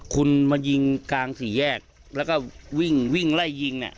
คุณมายิงกลางสี่แยกแล้วก็วิ่งไล่ยิง